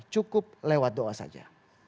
cukup lewat doa saja